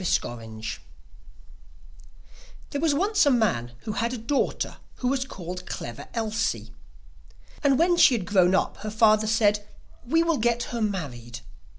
CLEVER ELSIE There was once a man who had a daughter who was called Clever Elsie. And when she had grown up her father said: 'We will get her married.